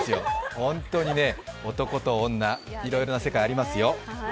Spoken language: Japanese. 本当に男と女いろいろな世界ありますよ。